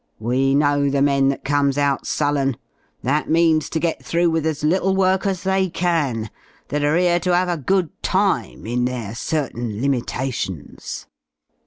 JVe know the men that comes out sullen, that means to get through with as little work as they can, that are 'ere to 'ave a good time in their certain limitations.